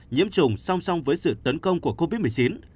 nhiễm chủng song song với sự tấn công của covid một mươi chín